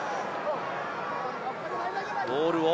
ボールを。